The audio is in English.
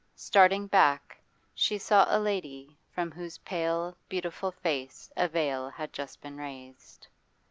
Starting back, she saw a lady from whose pale, beautiful face a veil had just been raised.